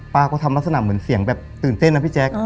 ก็ทำลักษณะเหมือนเสียงแบบตื่นเต้นนะพี่แจ๊ค